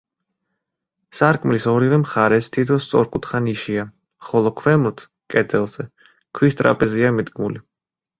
სარკმლის ორივე მხარეს თითო სწორკუთხა ნიშია, ხოლო ქვემოთ, კედელზე, ქვის ტრაპეზია მიდგმული.